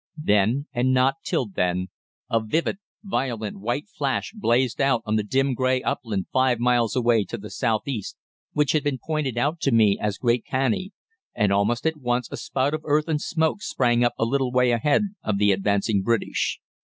Then, and not till then, a vivid violet white flash blazed out on the dim grey upland five miles away to the south east, which had been pointed out to me as Great Canney, and almost at once a spout of earth and smoke sprang up a little way ahead of the advancing British.